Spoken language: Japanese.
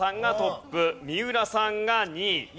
三浦さんが２位。